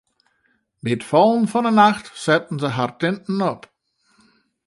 By it fallen fan 'e nacht setten se har tinten op.